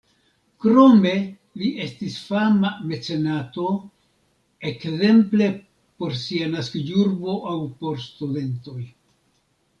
Krome li estis fama mecenato, ekzemple por sia naskiĝurbo aŭ por studentoj.